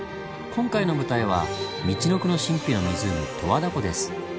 今回の舞台はみちのくの神秘の湖十和田湖です。